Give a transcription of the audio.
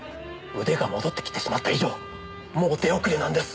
腕が戻ってきてしまった以上もう手遅れなんです！